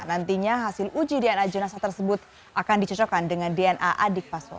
nantinya hasil uji dna jenasa tersebut akan dicocokkan dengan dna adik paslon